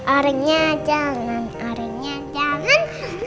orangnya jangan orangnya jangan